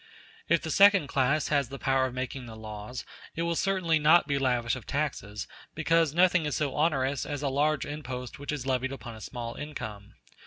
If the second class has the power of making the laws, it will certainly not be lavish of taxes, because nothing is so onerous as a large impost which is levied upon a small income.